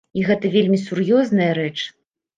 І гэта вельмі сур'ёзная рэч.